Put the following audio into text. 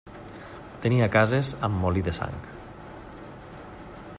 Tenia cases amb molí de sang.